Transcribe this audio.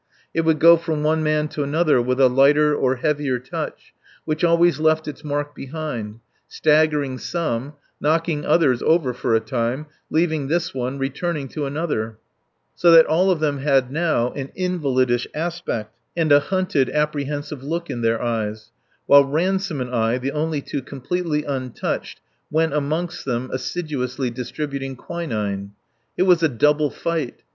It would go from one man to another with a lighter or heavier touch, which always left its mark behind, staggering some, knocking others over for a time, leaving this one, returning to another, so that all of them had now an invalidish aspect and a hunted, apprehensive look in their eyes; while Ransome and I, the only two completely untouched, went amongst them assiduously distributing quinine. It was a double fight.